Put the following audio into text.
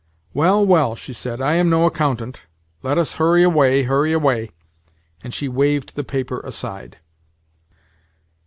"Well, well," she said, "I am no accountant. Let us hurry away, hurry away." And she waved the paper aside.